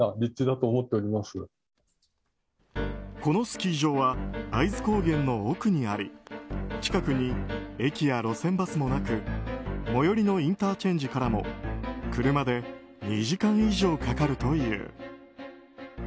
このスキー場は会津高原の奥にあり近くに駅や路線バスもなく最寄りのインターチェンジからも車で２時間以上かかるという。